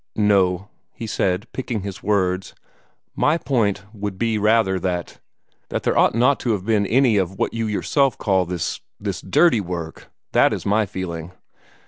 "No," he said, picking his words, "my point would rather be that that there ought not to have been any of what you yourself call this this 'dirty work.' THAT is my feeling."